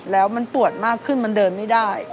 แล้วมันปวดมากขึ้นมันเดินไม่ได้